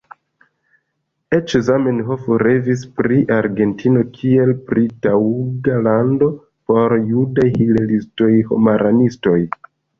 Eĉ Zamenhof revis pri Argentino, kiel pri taŭga lando por judaj hilelistoj-homaranistoj.